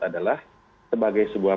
adalah sebagai sebuah